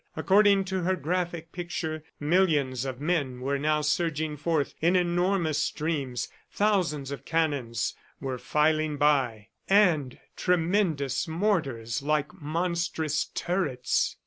According to her graphic picture, millions of men were now surging forth in enormous streams, thousands of cannons were filing by, and tremendous mortars like monstrous turrets.